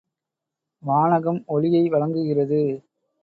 வானகம், ஒளியை வழங்குகிறது.